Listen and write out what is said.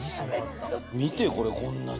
見てよ、これ、こんなに。